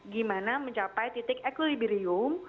gimana mencapai titik equilibrium